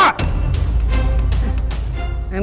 cepet tuh jawab